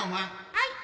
はい。